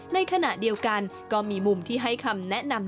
ในขณะเดียวกันก็มีมุมที่ให้คำแนะนำ